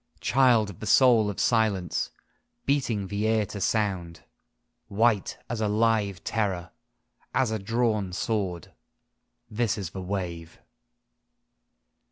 Child of the soul of silence, beating the air to sound : White as a live terror, as a drawn sword, This is the wave.